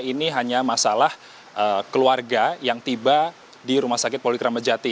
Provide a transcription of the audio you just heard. ini hanya masalah keluarga yang tiba di rs polri kramajati